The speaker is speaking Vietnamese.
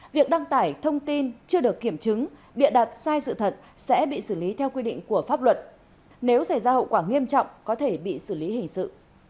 việc đăng tải thông tin chưa được kiểm chứng bị đặt sai sự thật sẽ bị xử lý theo quy định của pháp luật nếu xảy ra hậu quả nghiêm trọng có thể bị xử lý hình sự